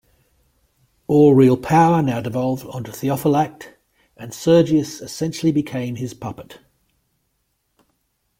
All real power now devolved onto Theophylact, and Sergius essentially became his puppet.